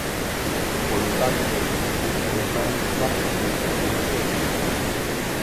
Polo tanto, isto é máis xa que o que Galicia tiña.